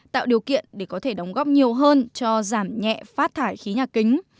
tạo điều kiện để có thể đóng góp nhiều hơn cho giảm nhẹ phát thải khí nhà kính